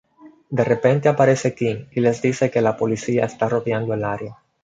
De repente aparece Kim y les dice que la policía está rodeando el área.